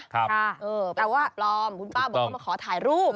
แต่ว่าคืนป้าบอกว่ามาขอถ่ายรูป